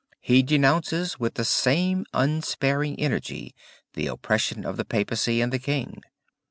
He denounces with the same unsparing energy the oppression of the Papacy and the King.